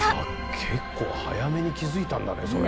結構早めに気付いたんだねそれ。